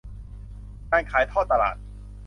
การขายทอดตลาด